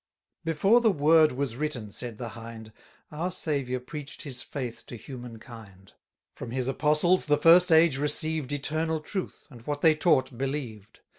Before the Word was written, said the Hind, Our Saviour preach'd his faith to human kind: From his apostles the first age received Eternal truth, and what they taught believed.